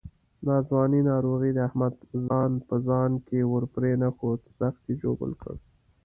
ناځوانه ناروغۍ د احمد ځان په ځان کې ورپرېنښود، سخت یې ژوبل کړ.